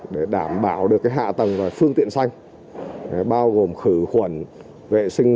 để đảm bảo được hạ tầng và phương tiện xanh bao gồm khử khuẩn vệ sinh